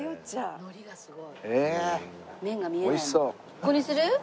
ここにする？